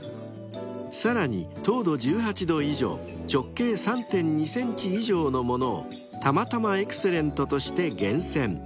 ［さらに糖度１８度以上直径３．２ｃｍ以上のものをたまたまエクセレントとして厳選］